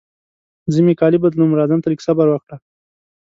زه مې کالي بدلوم، راځم ته لږ صبر وکړه.